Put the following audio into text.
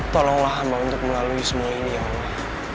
tolonglah sama untuk melalui semua ini ya allah